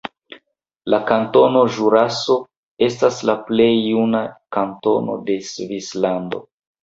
La Kantono Ĵuraso estas la plej juna kantono de Svislando.